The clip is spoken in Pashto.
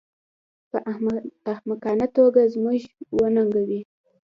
په احمقانه توګه موږ وننګوي